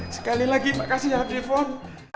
sekali lagi makasih ya devon